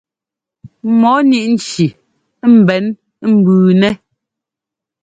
Mɔɔ ŋíʼ nci mbɛ̌n mbʉʉnɛ́.